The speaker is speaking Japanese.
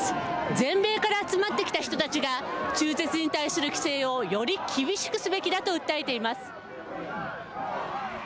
全米から集まってきた人たちが中絶に対する規制をより厳しくすべきだと訴えています。